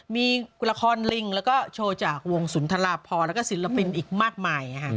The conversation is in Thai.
มีละครลิงแล้วก็โชว์จากวงสุนทราพรแล้วก็ศิลปินอีกมากมาย